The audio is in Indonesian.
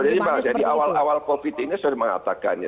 jadi pak dari awal awal covid ini sudah mengatakannya